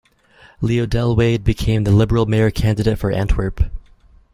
Leo Delwaide became the liberal mayor candidate for Antwerp.